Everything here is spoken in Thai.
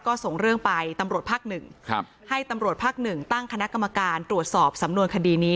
ก็ส่งเรื่องไปตำรวจภาคหนึ่งให้ตำรวจภาคหนึ่งตั้งคณะกรรมการตรวจสอบสำนวนคดีนี้